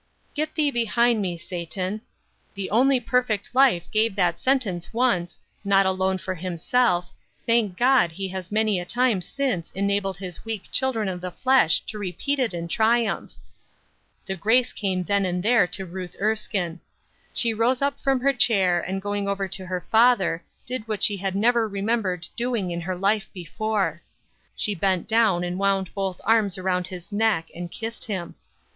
"Get thee behind me, Satan." The only perfect life gave that sentence once, not alone for Himself; thank God he has many a time since enabled his weak children of the flesh to repeat it in triumph. The grace came then and there to Ruth Erskine. She rose up from her chair, and going over to her father did what she had never remembered doing in her life before. She bent down and wound both arms around his neck and kissed him.